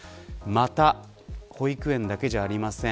また保育園だけじゃありません。